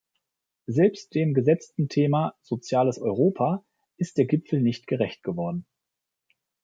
Selbst dem gesetzten Thema "Soziales Europa" ist der Gipfel nicht gerecht geworden.